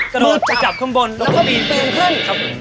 กระโดดจะจะบข้างบนแล้วปีนขึ้น